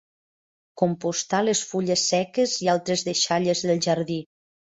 Compostar les fulles seques i altres deixalles del jardí.